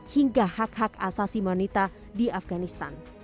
hingga hak hak asasi manusia di afganistan